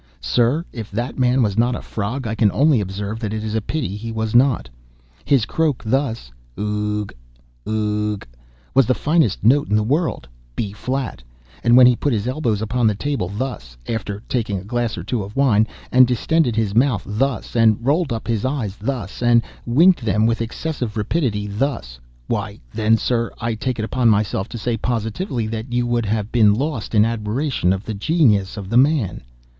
Sir, if that man was not a frog, I can only observe that it is a pity he was not. His croak thus—o o o o gh—o o o o gh! was the finest note in the world—B flat; and when he put his elbows upon the table thus—after taking a glass or two of wine—and distended his mouth, thus, and rolled up his eyes, thus, and winked them with excessive rapidity, thus, why then, sir, I take it upon myself to say, positively, that you would have been lost in admiration of the genius of the man."